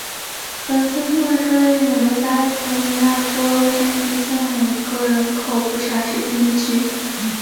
文森特是位于美国加利福尼亚州洛杉矶县的一个人口普查指定地区。